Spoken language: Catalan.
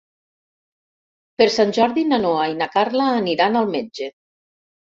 Per Sant Jordi na Noa i na Carla aniran al metge.